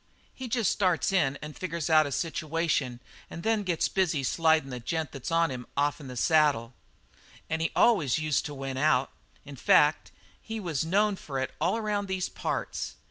He jest starts in and figgers out a situation and then he gets busy slidin' the gent that's on him off'n the saddle. An' he always used to win out. In fact, he was known for it all around these parts.